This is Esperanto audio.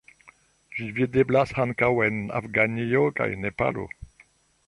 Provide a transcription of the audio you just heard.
Ĝi videblas ankaŭ en Afganio kaj Nepalo.